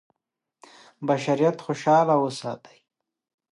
بشریت خوشاله وساتي.